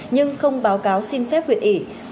nhưng không báo cáo xin phép huyện ủy